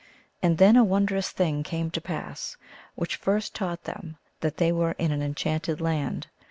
And then a wondrous thing came to pass, which first taught them that they were in an enchanted land.